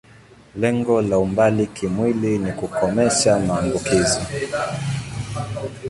Lengo la umbali kimwili ni kukomesha maambukizo.